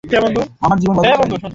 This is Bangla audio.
আমার জীবন বদলাতে চাই আমি।